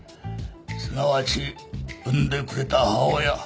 すなわち生んでくれた母親